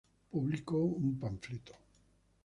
publico un panfleto